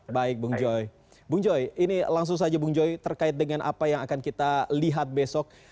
baik bung joy bung joy ini langsung saja bung joy terkait dengan apa yang akan kita lihat besok